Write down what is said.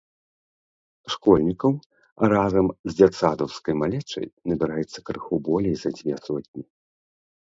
Школьнікаў разам з дзетсадаўскай малечай набіраецца крыху болей за дзве сотні.